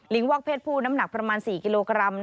วอกเพศผู้น้ำหนักประมาณ๔กิโลกรัม